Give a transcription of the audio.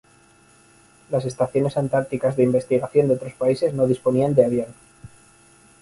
Las estaciones antárticas de investigación de otros países no disponían de avión.